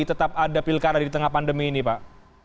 tetap ada pilkada di tengah pandemi ini pak